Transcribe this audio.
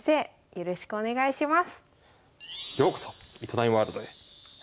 よろしくお願いします。